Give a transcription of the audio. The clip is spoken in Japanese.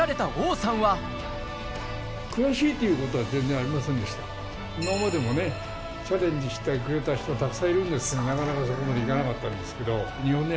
村上に今までもねチャレンジしてくれた人はたくさんいるんですがなかなかそこまで行かなかったんですけど。